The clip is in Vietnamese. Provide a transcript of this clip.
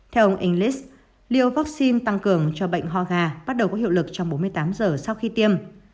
theo ông inglis liều vắc xin tăng cường cho bệnh hoa gà bắt đầu có hiệu lực trong bốn mươi tám giờ sau khi tiêm